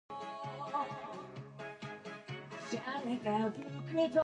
His real name was Johannes van Melle.